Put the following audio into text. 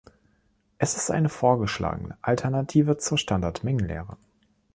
Es ist eine vorgeschlagene Alternative zur Standardmengenlehre.